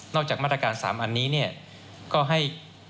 นอกจากมาตรการ๓นะนี่ก็ให้